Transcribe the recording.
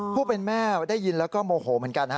ผู้เป็นแม่ได้ยินแล้วก็โมโหเหมือนกันฮะ